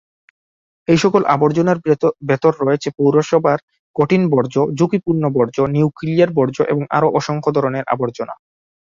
এইসকল আবর্জনার ভেতর রয়েছে পৌরসভার কঠিন বর্জ্য, ঝুঁকিপূর্ণ বর্জ্য, নিউক্লিয়ার বর্জ্য এবং আরও অসংখ্য ধরনের আবর্জনা।